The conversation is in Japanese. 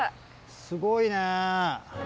すごいね。